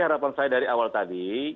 harapan saya dari awal tadi